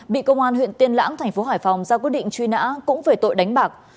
bị công an huyện tiên lãng tp hải phòng ra quyết định truy nã cũng về tội đánh bạc